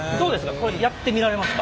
これやってみられますか？